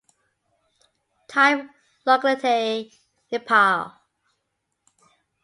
Type locality: "Nepal"